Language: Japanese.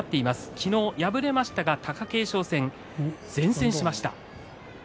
昨日敗れましたが貴景勝戦善戦しました。